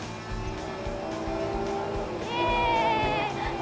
イエーイ！